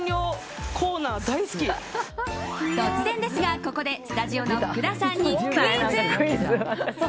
突然ですがここでスタジオの福田さんにクイズ。